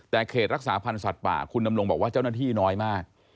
แต่เขตรักษาพันธ์สัตว์ป่าคุณดำรงบอกว่าเจ้าหน้าที่น้อยมาก